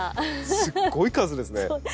すっごい数ですね！